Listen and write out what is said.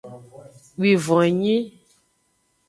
Wivonnyui.